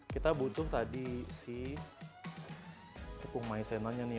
kita butuh tadi si kukuh maisenanya nih